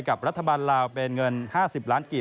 กับรัฐบาลลาวเป็นเงิน๕๐ล้านกิจ